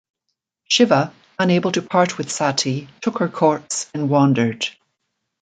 Shiva unable to part with Sati took her corpse and wandered.